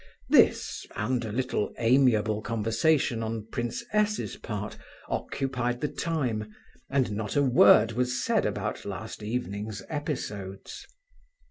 This, and a little amiable conversation on Prince S.'s part, occupied the time, and not a word was said about last evening's episodes.